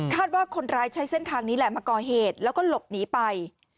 ว่าคนร้ายใช้เส้นทางนี้แหละมาก่อเหตุแล้วก็หลบหนีไป